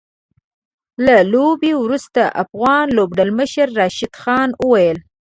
له لوبې وروسته افغان لوبډلمشر راشد خان وويل